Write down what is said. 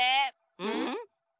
うん？